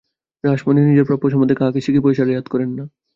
রাসমণি নিজের প্রাপ্য সম্বন্ধে কাহাকে সিকি পয়সা রেয়াত করেন না।